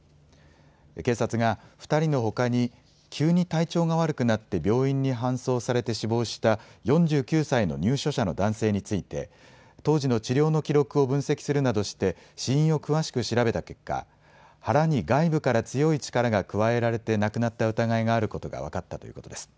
警察が２人のほかに急に体調が悪くなって病院に搬送されて死亡した４９歳の入所者の男性について当時の治療の記録を分析するなどして死因を詳しく調べた結果、腹に外部から強い力が加えられて亡くなった疑いがあることが分かったということです。